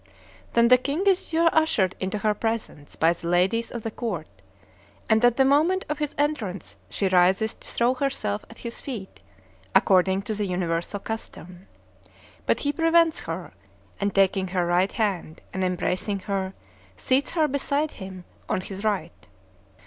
Then the king is ushered into her presence by the ladies of the court; and at the moment of his entrance she rises to throw herself at his feet, according to the universal custom. But he prevents her; and taking her right hand, and embracing her, seats her beside him, on his right.